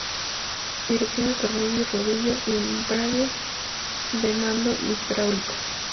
Dirección de tornillo y rodillo, y embrague de mando hidráulico.